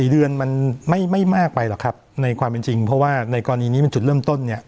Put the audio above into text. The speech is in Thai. ๔เดือนมันไม่มากไปหรอกครับในความเป็นจริงเพราะว่าในกรณีนี้เป็นจุดเริ่มต้นเนี่ย